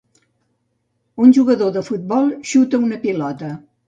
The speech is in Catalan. Un jugador de futbol xuta una pilota.